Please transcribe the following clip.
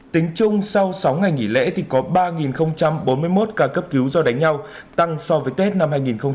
tính chung sau sáu ngày nghỉ lễ thì có ba bốn mươi một ca cấp cứu do đánh nhau tăng so với tết năm hai nghìn một mươi tám